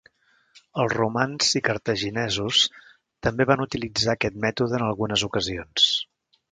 Els romans i cartaginesos també van utilitzar aquest mètode en algunes ocasions.